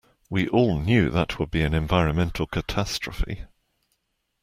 We all knew that would be an environmental catastrophe.